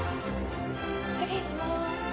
失礼します。